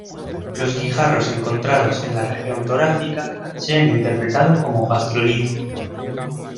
Los guijarros encontrados en la región torácica se han interpretado como gastrolitos.